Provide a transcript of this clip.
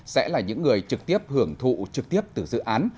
sẽ là những người trực tiếp hưởng thụ trực tiếp từ dự án